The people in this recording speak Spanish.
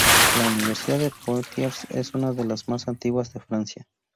La universidad de Poitiers es una de las más antiguas de Francia.